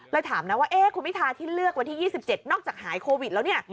ถามนะว่าคุณพิทาที่เลือกวันที่๒๗นอกจากหายโควิดแล้วเนี่ย